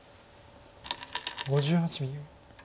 ５８秒。